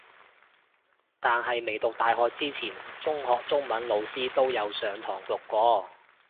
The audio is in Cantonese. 但係未讀大學之前中學中文老師都有上堂讀過